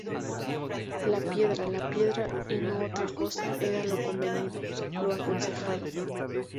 La piedra, la piedra y no otra cosa era lo convenido, lo aconsejado.